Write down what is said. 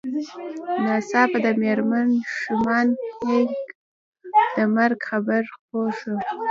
ناڅاپه د مېرمن شومان هينک د مرګ خبر خپور شو